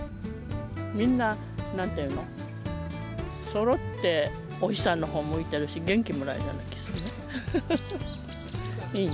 みんな、なんていうの、そろってお日様のほう向いてるし、元気もらえるような気するね。